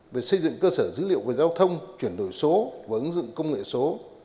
về xây dựng cơ sở dữ liệu về giao thông chuyển đổi số và ứng dụng công nghệ số